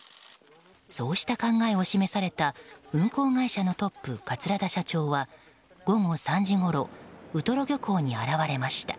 そうした考えを示された運航会社のトップ、桂田社長は午後３時ごろ、ウトロ漁港に現れました。